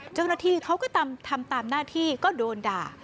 เจ้าหน้าที่เขาก็ทำตามหน้าที่ก็โดนด่า